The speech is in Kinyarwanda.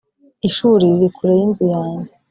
ishuri riri kure yinzu yanjye